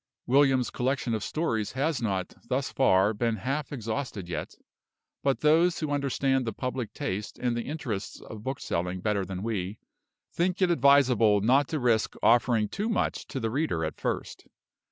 William's collection of stories has not, thus far, been half exhausted yet; but those who understand the public taste and the interests of bookselling better than we, think it advisable not to risk offering too much to the reader at first.